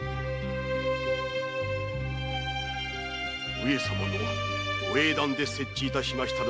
上様のご英断で設置いたしましたる